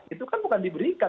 itu kan bukan diberikan